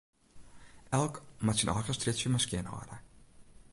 Elk moat syn eigen strjitsje mar skjinhâlde.